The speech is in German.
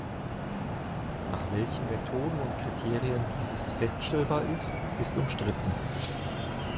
Nach welchen Methoden und Kriterien dieses feststellbar ist, ist umstritten.